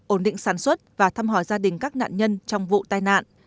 ổn định sản xuất và thăm hỏi gia đình các nạn nhân trong vụ tai nạn